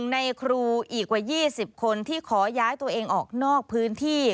ในครูอีกกว่า๒๐คนที่ขอย้ายตัวเองออกนอกพื้นที่